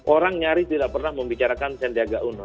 orang nyaris tidak pernah membicarakan sandiaga uno